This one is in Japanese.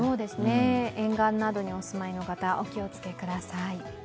沿岸などにお住まいの方、お気をつけください。